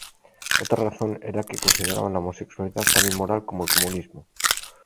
Otra razón era que consideraban la homosexualidad tan inmoral como el comunismo.